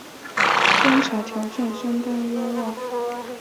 征才条件相当优渥